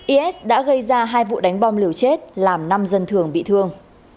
is đã gây ra hai vụ đánh bom liều chết làm năm dân thường bị thương